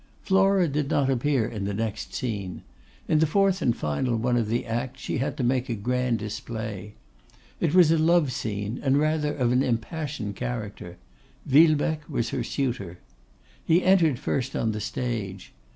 Flora did not appear in the next scene. In the fourth and final one of the act, she had to make a grand display. It was a love scene, and rather of an impassioned character; Villebecque was her suitor. He entered first on the stage.